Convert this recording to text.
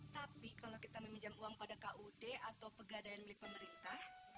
tapi kalau kita meminjam uang pada kud atau pegadaian milik pemerintah